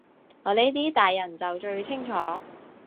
我呢啲大人就最清楚